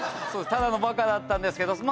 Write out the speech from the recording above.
ただのバカだったんですけどま